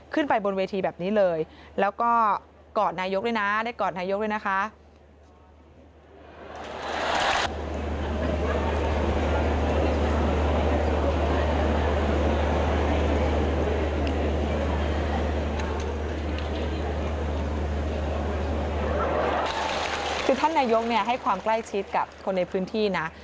คือท่านนายกให้ความใกล้ชิดกับคนในพื้นที่นะ